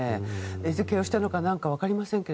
餌付けをしたのか分かりませんが。